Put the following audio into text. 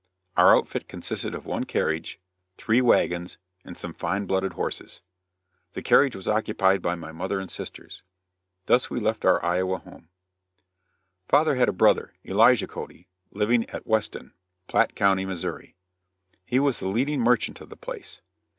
Our outfit consisted of one carriage, three wagons and some fine blooded horses. The carriage was occupied by my mother and sisters. Thus we left our Iowa home. [Illustration: SAMUEL'S FATAL ACCIDENT.] Father had a brother, Elijah Cody, living at Weston, Platte county, Missouri. He was the leading merchant of the place.